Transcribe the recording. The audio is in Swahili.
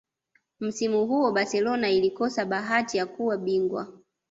msimu huo barcelona ilikosa bahati ya kuwa bingwa